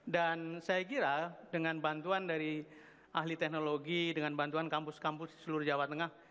dan saya kira dengan bantuan dari ahli teknologi dengan bantuan kampus kampus di seluruh jawa tengah